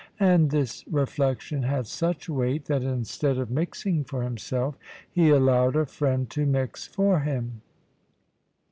And this reflection had such weight, that instead of mixing for himself, he allowed a friend to mix for him.